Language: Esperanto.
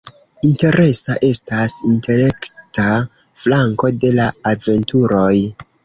Interesa estas intelekta flanko de la aventuroj.